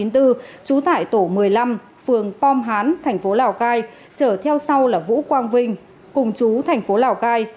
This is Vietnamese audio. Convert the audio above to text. trú thải tổ một mươi năm phường pom hán tp lào cai chở theo sau là vũ quang vinh cùng trú tp lào cai